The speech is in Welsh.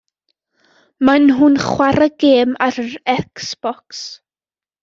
Mae nhw'n chwarae gêm ar yr Xbox.